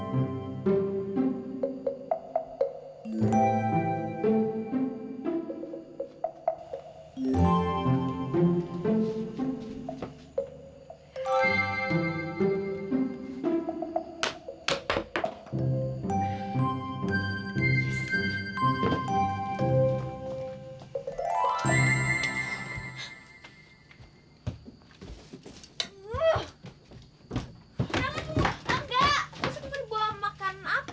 tidak aku mau makan apa